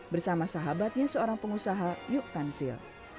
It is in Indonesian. bersama sahabatnya seorang pengusaha yuk kansil